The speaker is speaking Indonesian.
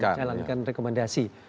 jangan menjalankan rekomendasi